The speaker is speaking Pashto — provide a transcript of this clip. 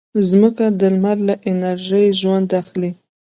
مځکه د لمر له انرژي ژوند اخلي.